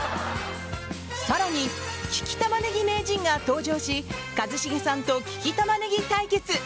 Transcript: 更に、利きタマネギ名人が登場し一茂さんと利きタマネギ対決！